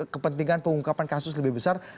kepentingan pengungkapan kasus lebih besar